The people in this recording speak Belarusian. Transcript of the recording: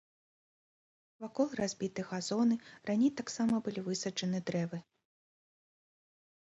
Вакол разбіты газоны, раней таксама былі высаджаны дрэвы.